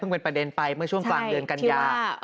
เป็นประเด็นไปเมื่อช่วงกลางเดือนกันยา